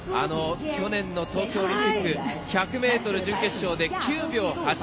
去年の東京オリンピック１００ｍ準決勝で９秒８３。